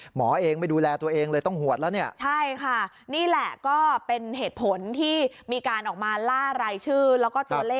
หมอเองไม่ดูแลตัวเองเลยต้องหวัดแล้ว